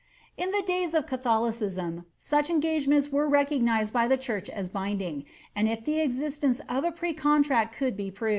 In the days ot Catholicism such engagements were recognised by the church as binding, and if the existence of a precontract could be pro?